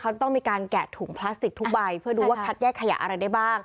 เขาจะต้องมีการแกะถุงพลาสติกทุกใบเพื่อดูว่าคัดแยกขยะอะไรได้บ้าง